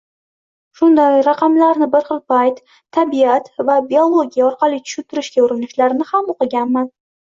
Shunday raqamlarni bir xil payt, tabiat va biologiya orqali tushuntirishga urinishlarni ham o‘qiganman.